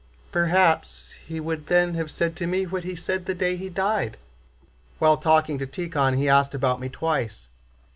"Perhaps he would then have said to me what he said the day he died. While talking to Tíkhon he asked about me twice.